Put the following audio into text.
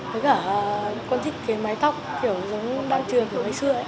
thế cả con thích cái mái tóc kiểu giống đa trường kiểu ngày xưa